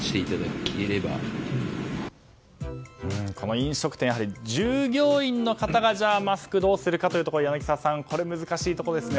飲食店、やはり従業員の方がマスクをどうするかというところ柳澤さんこれは難しいところですね。